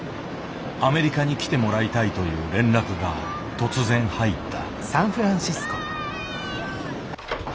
アメリカに来てもらいたいという連絡が突然入った。